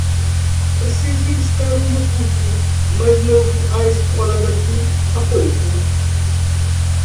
Preciso ir buscar o meu puto mais novo à escola daqui a pouco.